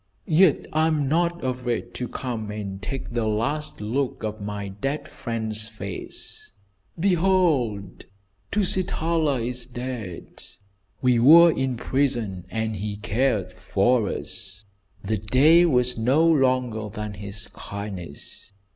Yet I am not afraid to come and take the last look of my dead friend's face. Behold, Tusitala is dead. We were in prison and he cared for us. The day was no longer than his kindness.